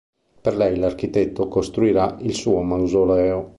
Per lei, l'architetto costruirà il suo mausoleo.